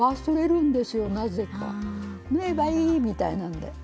縫えばいいみたいなんで。